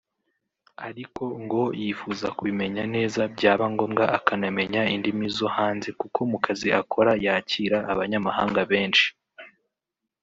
ariko ngo yifuza kubimenya neza byaba ngombwa akanamenya indimi zo hanze kuko mu kazi akora yakira abanyamahanga benshi